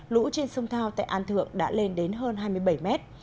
lũ trên sông thao tại an thượng đã lên đến hơn hai mươi bảy mét